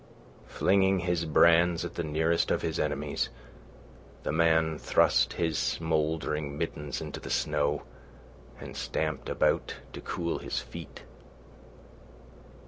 Flinging his brands at the nearest of his enemies, the man thrust his smouldering mittens into the snow and stamped about to cool his feet.